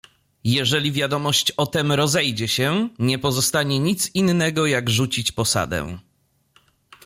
"Jeżeli wiadomość o tem rozejdzie się, nie pozostanie nic innego, jak rzucić posadę."